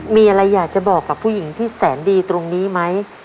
มีอะไรอยากจะบอกกับผู้หญิงที่แสนดีตรงนี้ไหม